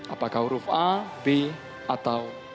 apakah huruf a b atau